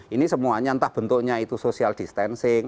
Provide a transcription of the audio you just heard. ini semuanya entah bentuknya itu social distancing